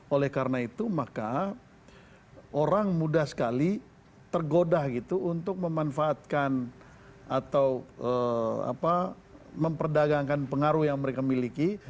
oleh karena itu maka orang mudah sekali tergoda gitu untuk memanfaatkan atau memperdagangkan pengaruh yang mereka miliki